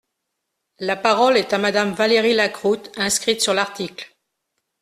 La parole est à Madame Valérie Lacroute, inscrite sur l’article.